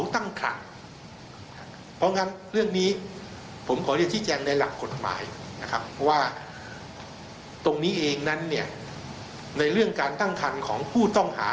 ตรงนี้เองในเรื่องการตั้งคันของผู้ต้องหา